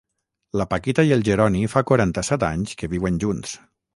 La Paquita i el Geroni fa quaranta-set anys que viuen junts.